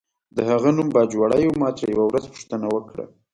د هغه نوم باجوړی و، ما ترې یوه ورځ پوښتنه وکړه.